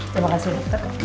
terima kasih dokter